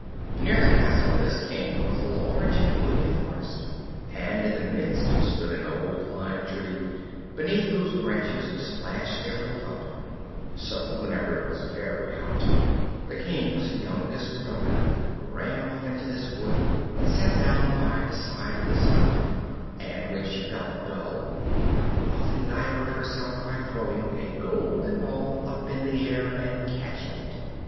Near the castle of this King was a large and gloomy forest, and in the midst stood an old lime tree, beneath whose branches splashed a little fountain; so, whenever it was very hot, the King's youngest daughter ran off into this wood, and sat down by the side of this fountain; and, when she felt dull, would often divert herself by throwing a golden ball up in the air and catching it.